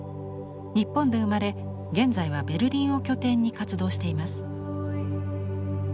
日本で生まれ現在はベルリンを拠点に活動しています。